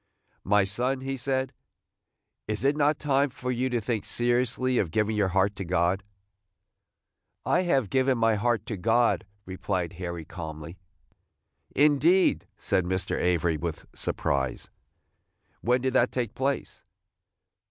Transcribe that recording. "My son," he said, "is it not time for you to think seriously of giving your heart to God?" "I have given my heart to God," replied Harry, calmly. "Indeed!" said Mr. Avery, with surprise; "when did that take place?"